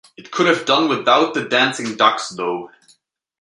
I could have done without the dancing ducks, though.